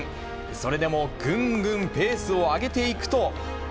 それでもぐんぐんペースを上げていくと。